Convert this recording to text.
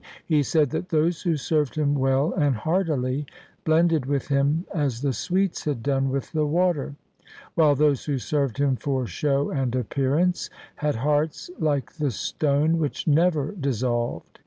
He said that those who served him well and heartily, blended with him as the sweets had done with the water j while those who served him for show and appearance, had hearts like the stone which never dissolved.